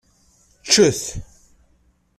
Ččet.